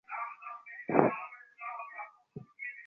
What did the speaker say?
তিনি রাজনৈতিক সখ্যতা গড়ে তুলেছিলেন।